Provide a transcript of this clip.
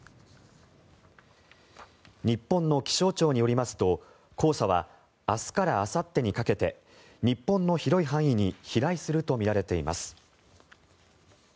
日本の気象庁によりますと黄砂は明日からあさってにかけて日本の広い範囲に飛来するとみられています。